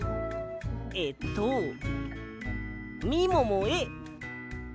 えっと「みももへ」。